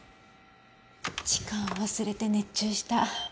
時間を忘れて熱中した。